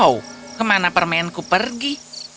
oh kemana permenku pergi